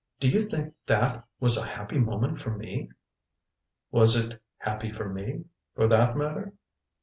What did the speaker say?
Do you think that was a happy moment for me?" "Was it happy for me, for that matter?"